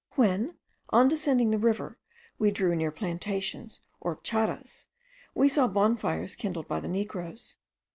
When, on descending the river, we drew near plantations, or charas, we saw bonfires kindled by the negroes.